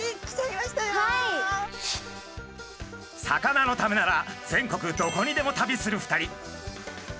魚のためなら全国どこにでも旅する２人。